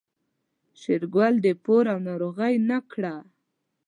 شېرګل د پور او ناروغۍ نه کړه.